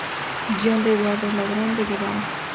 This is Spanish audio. Guion de Eduardo Ladrón de Guevara